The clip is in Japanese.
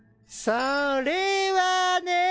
それはね。